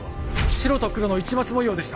白と黒の市松模様でした